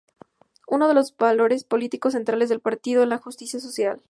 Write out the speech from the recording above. Uno de los valores políticos centrales del partido es la justicia social.